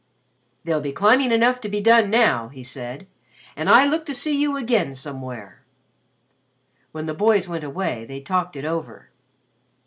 "There'll be climbing enough to be done now," he said, "and I look to see you again somewhere." When the boys went away, they talked it over.